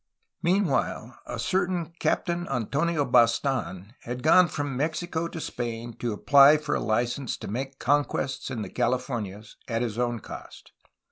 Meanwhile a certain Captain Antonio Bastan had gone from Mexico to Spain to apply for a license to make conquests in the Californias at his own cost.